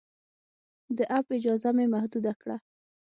د اپ اجازه مې محدود کړه.